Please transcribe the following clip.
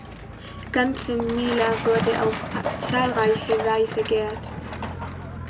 Ganzenmüller wurde auf zahlreiche Weise geehrt.